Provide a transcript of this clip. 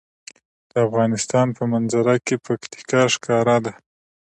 د افغانستان په منظره کې پکتیکا ښکاره ده.